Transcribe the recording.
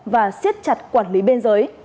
và siết chặt quản lý bên dưới